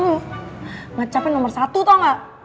lo ngecapnya nomor satu tau gak